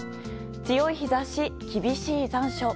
強い日差し、厳しい残暑。